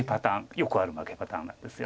よくある負けパターンなんですよね。